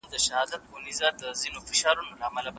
نغارې دي د جنګونو حماسې دي نه ختمیږي